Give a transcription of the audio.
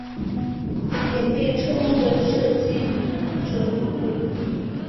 也被称为射击者部队。